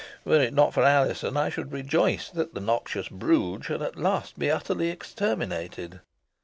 Were it not for Alizon, I should rejoice that the noxious brood should at last be utterly exterminated."